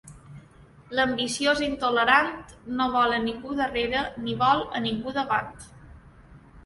L'ambició és intolerant: no vol a ningú darrere, ni vol a ningú davant.